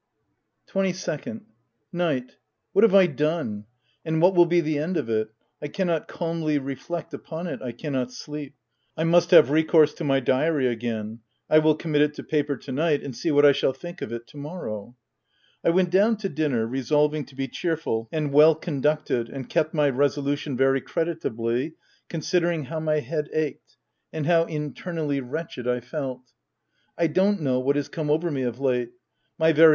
Twenty second. Night— What have I done ? and what will be the end of it? I cannot calmly reflect upon it; I cannot sleep. I must have recourse to my diary again ; I will commit it to paper to night, and see what I shall think of it to morrow. I went down to dinner resolving to be cheer ful and well conducted, and kept my resolution very creditably, considering how my head ached, and how internally wretched I felt — I don't know what is come over me of late ; my very OP WILDFELL HALL.